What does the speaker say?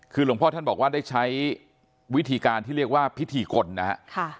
คือหลวงพ่อท่านบอกว่าได้ใช้วิธีการที่เรียกว่าพิธีกลนะฮะ